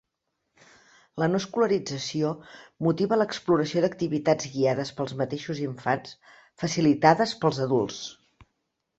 La no escolarització motiva l'exploració d'activitats guiades pels mateixos infants, facilitades pels adults.